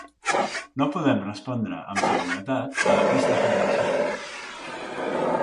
No podem respondre amb seguretat a aquesta afirmació.